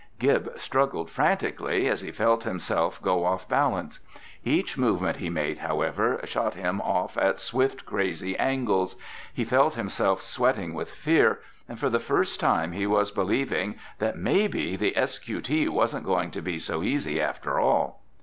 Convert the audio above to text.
Gib struggled frantically as he felt himself go off balance. Each movement he made, however, shot him off at swift, crazy angles. He felt himself sweating with fear, and for the first time he was believing that maybe the S.Q.T. wasn't going to be so easy after all.